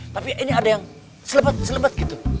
tapi ini ada yang selebat selebat gitu